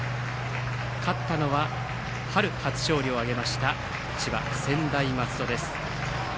勝ったのは春初勝利を挙げました千葉・専大松戸です。